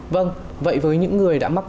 vâng vậy với những người đã mắc vệnh